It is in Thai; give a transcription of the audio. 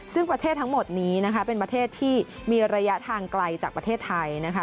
ซึ่งประเทศทั้งหมดนี้นะคะเป็นประเทศที่มีระยะทางไกลจากประเทศไทยนะคะ